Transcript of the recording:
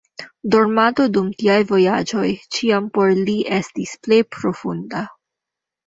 Dormado dum tiaj vojaĝoj ĉiam por li estis plej profunda.